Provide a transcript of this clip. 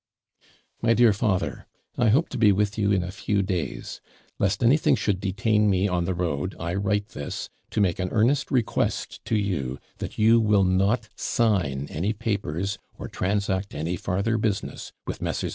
MY DEAR FATHER, I hope to be with you in a few days. Lest anything should detain me on the road, I write this, to make an earnest request to you, that you will not sign any papers, or transact any farther business with Messrs.